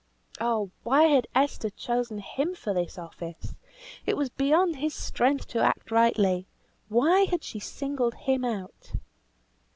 Oh! why had Esther chosen him for this office? It was beyond his strength to act rightly! Why had she singled him out?